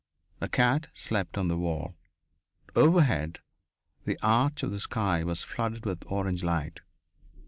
A cat slept on the wall. Overhead the arch of the sky was flooded with orange light.